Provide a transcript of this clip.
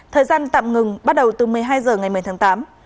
thời gian tạm ngừng bắt đầu từ một mươi hai h ngày một mươi tháng tám